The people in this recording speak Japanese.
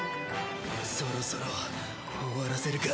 そろそろ終わらせるか。